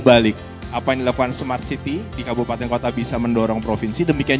balik apa yang dilakukan smart city di kabupaten kota bisa mendorong provinsi demikian